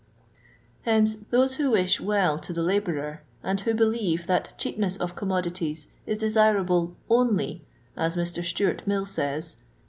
Hence, those who wish well to the labourer, and who believe that cheap ness of commodities is desirable "only," as Mr. Stewart Mill says (p.